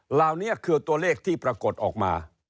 เหล่านี้คือตัวเลขที่ปรากฏออกมา